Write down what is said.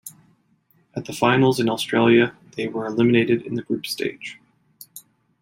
At the finals in Australia, they were eliminated in the group stage.